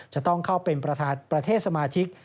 จะต้องเข้าเป็นประเทศสมาชิก